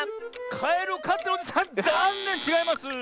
カエルをかってるおじさんざんねんちがいます。